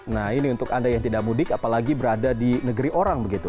nah ini untuk anda yang tidak mudik apalagi berada di negeri orang begitu